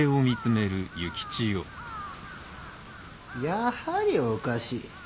やはりおかしい。